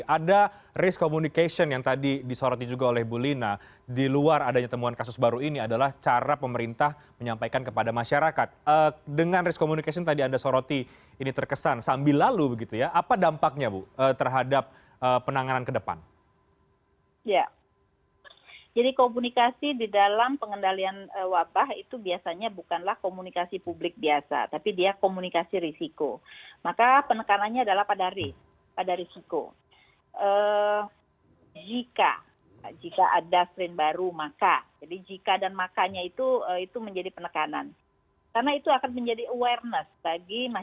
apakah sebelumnya rekan rekan dari para ahli epidemiolog sudah memprediksi bahwa temuan ini sebetulnya sudah ada di indonesia